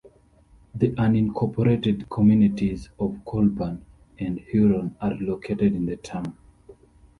The unincorporated communities of Colburn and Huron are located in the town.